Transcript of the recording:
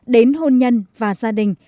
đến hôn nhân và gia đình